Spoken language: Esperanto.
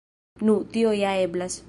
Nu, tio ja eblas.